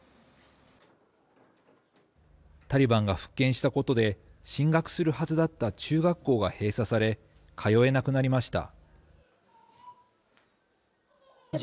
タリバンが復権したことで、進学するはずだった中学校が閉鎖され、通えなくなりました。